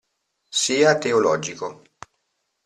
Sia teologico.